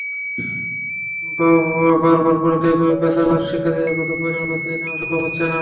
বারবার পরীক্ষা পেছানোয় শিক্ষার্থীদের পক্ষে প্রয়োজনীয় প্রস্তুতি নেওয়াও সম্ভব হচ্ছে না।